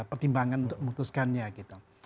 pertimbangan untuk memutuskannya gitu